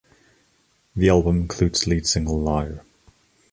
The album includes lead single "Liar".